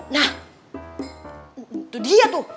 nah itu dia tuh